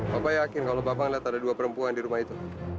bapak yakin kalau bapak melihat ada dua perempuan di rumah itu